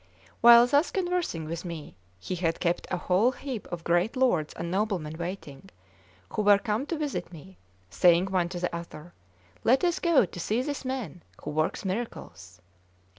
While thus conversing with me, he had kept a whole heap of great lords and noblemen waiting, who were come to visit me, saying one to the other: "Let us go to see this man who works miracles."